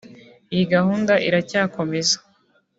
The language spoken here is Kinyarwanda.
Iyi gahunda iracyakomeza